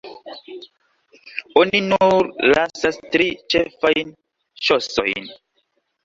Oni nur lasas tri ĉefajn ŝosojn.